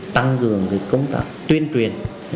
tăng cường công tác tuyên truyền